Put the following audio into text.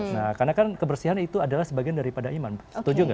nah karena kan kebersihan itu adalah sebagian daripada iman setuju nggak